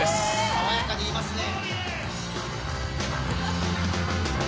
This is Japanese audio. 爽やかに言いますね。